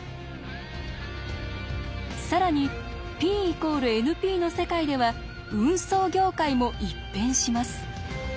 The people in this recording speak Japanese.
更にＰ＝ＮＰの世界では運送業界も一変します。